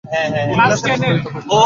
তুমি তোমার সাধনা লইয়া থাক।